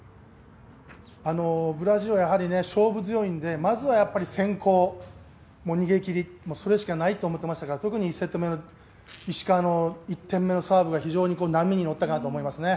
ブラジルはやはり勝負強いんで、まずは先行逃げ切りしかないと思っていましたから特に１セット目、石川の１点目のサーブが非常に波に乗ったかなと思いますね。